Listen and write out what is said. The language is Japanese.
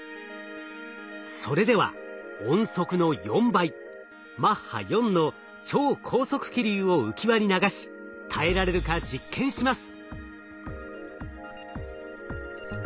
それでは音速の４倍マッハ４の超高速気流を浮き輪に流し耐えられるか実験します。